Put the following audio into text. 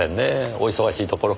お忙しいところ。